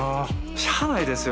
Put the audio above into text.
しゃあないですよ。